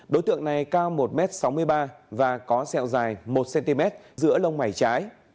đối tượng này cao một m sáu mươi ba và có sẹo dài một cm giữa lông mảy trái